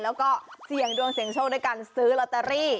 แล้วก็เสี่ยงดวงเสี่ยงโชคด้วยการซื้อลอตเตอรี่